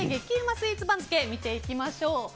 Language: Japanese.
スイーツ番付を見ていきましょう。